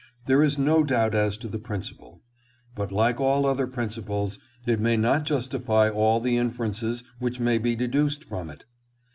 There is no doubt as to the principle, but like all other principles, it may not justify all the inferences which may be deduced from it.